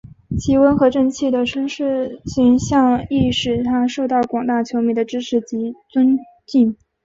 其温和正气的绅士形象亦使他受到广大球迷的支持及尊敬。